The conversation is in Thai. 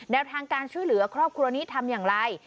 ทางการช่วยเหลือครอบครัวนี้ทำอย่างไร